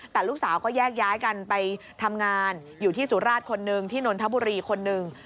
แต่ลูกสาวก็แยกย้ายกันไปทำงานอยู่ที่สุราชคนหนึ่งที่นนทบุรีคนหนึ่ง